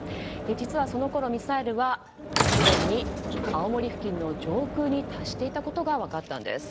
実はそのころ、ミサイルはすでに青森付近の上空に達していたことが分かったんです。